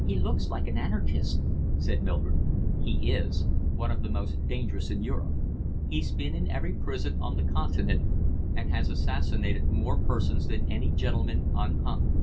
"He looks like an anarchist," said Mildred. "He is, one of the most dangerous in Europe. He's been in every prison on the Continent and has assassinated more persons than any gentleman unhung.